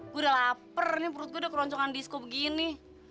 gue udah lapar ini perut gue udah keroncongan disku begini